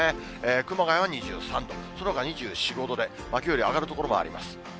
熊谷は２３度、そのほかは２４、５度できょうより上がる所もあります。